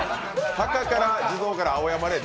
墓から地蔵から青山霊園